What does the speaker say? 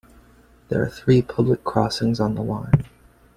There are three public crossings on the line.